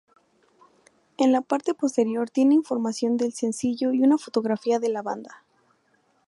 En la parte posterior tiene información del sencillo y una fotografía de la banda.